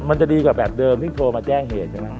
มันจะดีกว่าแบบเดิมที่โทรมาแจ้งเหตุใช่ไหม